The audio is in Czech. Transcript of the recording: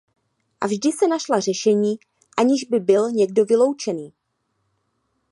A vždy se našla řešení, aniž by byl někdo vyloučený.